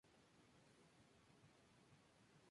Su color es entre marrón y negro.